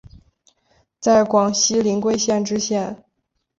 任广西临桂县知县。